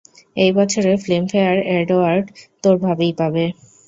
এই বছরের Filmfare award, তোর ভাবিই পাবে।